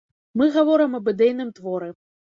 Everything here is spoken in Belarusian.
Мы гаворым аб ідэйным творы.